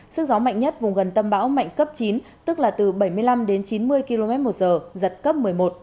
sức gió mạnh nhất vùng gần tâm bão mạnh cấp chín tức là từ bảy mươi năm đến chín mươi km một giờ giật cấp một mươi một